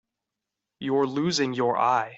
You're losing your eye.